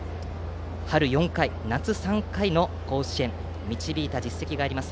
春４回、夏３回の甲子園に導いた実績があります